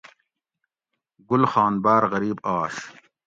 گل خان باۤر غریب آش